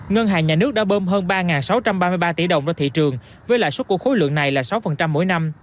ngân hàng nhà nước đã bơm hơn ba sáu trăm ba mươi ba tỷ đồng ra thị trường với lãi suất của khối lượng này là sáu mỗi năm